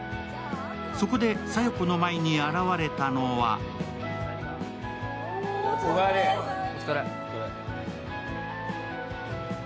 そこで佐弥子の前に現れたのはお疲れ。